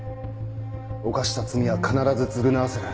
犯した罪は必ず償わせる。